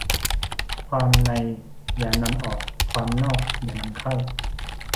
ความในอย่านำออก ความนอกอย่านำเข้า